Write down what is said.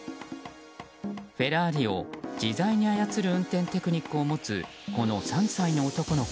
フェラーリを自在に操る運転テクニックを持つこの３歳の男の子。